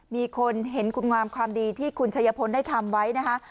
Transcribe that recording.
มีคนเห็นคุณงามความดีที่คุณชัยพลได้ทำไว้นะคะ